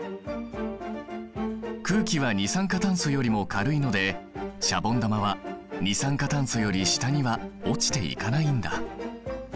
空気は二酸化炭素よりも軽いのでシャボン玉は二酸化炭素より下には落ちていかないんだ。